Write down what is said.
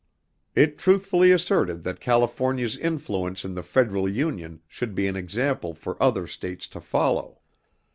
It truthfully asserted that California's influence in the Federal Union should be an example for other states to follow.